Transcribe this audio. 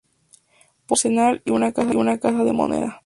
Poseía un arsenal y una casa de moneda.